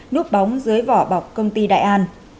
núp bóng dưới vỏ bọc công ty đại an